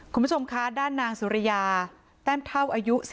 คุณผู้ชมคะด้านนางสุริยาแต้มเท่าอายุ